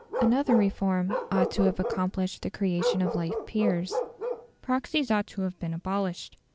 Another reform ought to have accompanied the creation of life peers. Proxies ought to have been abolished.